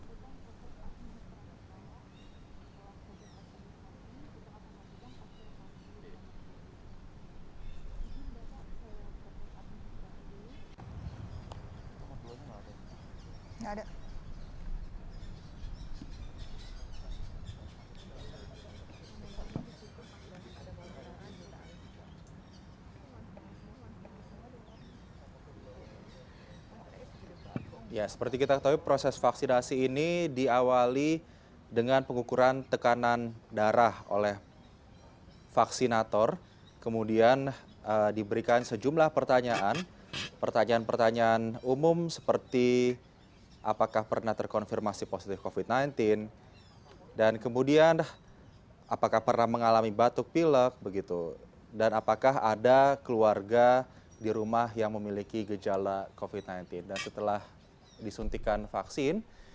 untuk melakukan penyelidikan penyelidikan yang terkait dengan kemampuan penyelidikan